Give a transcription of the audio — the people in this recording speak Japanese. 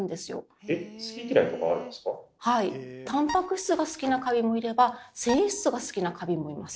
タンパク質が好きなカビもいれば繊維質が好きなカビもいます。